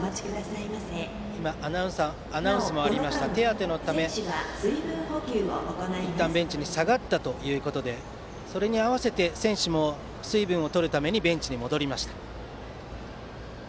手当てのためいったんベンチに下がったということでそれに合わせて選手も水分を取るためにベンチに戻りました。